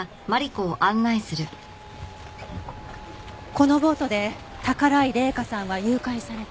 このボートで宝居麗華さんは誘拐された？